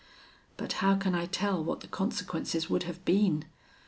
But how can I tell what the consequences would have been!